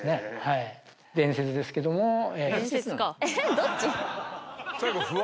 どっち？